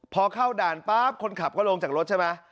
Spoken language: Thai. พอเข้าด่านปั๊บคนขับก็ลงจากรถใช่ไหม